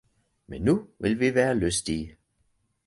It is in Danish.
Men nu vil vi være lystige